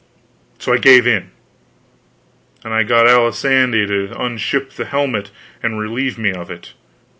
So I gave in, and got Alisande to unship the helmet and relieve me of it.